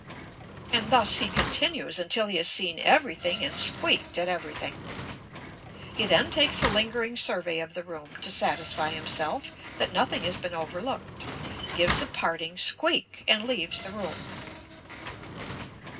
and thus he continues until he has seen everything and squeaked at everything; he then takes a lingering survey of the room to satisfy himself that nothing has been overlooked, gives a parting squeak, and leaves the room.